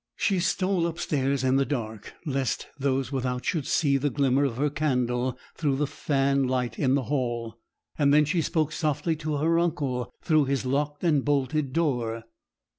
She stole up stairs in the dark, lest those without should see the glimmer of her candle through the fanlight in the hall; and then she spoke softly to her uncle through his locked and bolted door.